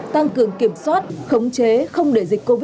tăng cường kiểm soát tăng cường tiêm chủng